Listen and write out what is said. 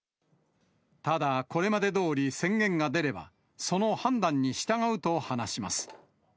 ただ、これまでどおり宣言が出れば、その判断に従うと話します。